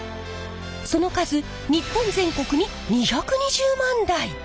その数日本全国に２２０万台！